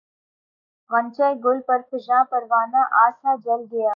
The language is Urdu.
غنچۂ گل پرفشاں پروانہ آسا جل گیا